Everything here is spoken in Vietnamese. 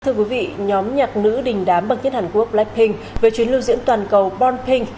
thưa quý vị nhóm nhạc nữ đình đám bậc nhất hàn quốc blackpink về chuyến lưu diễn toàn cầu board ping